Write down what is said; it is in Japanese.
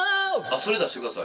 それ出してください。